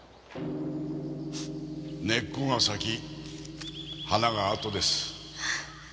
根っこが先花があとです。